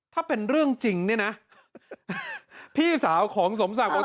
ถ้าเป็นเรื่องจริงเนี่ยนะพี่สาวของสมศักดิ์บอกว่า